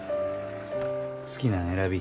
好きなん選び。